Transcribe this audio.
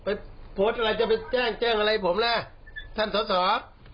เออไปโพสต์อะไรจะไปแจ้งอะไรผมล่ะท่านสอสต้